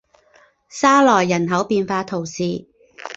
沙莱人口变化图示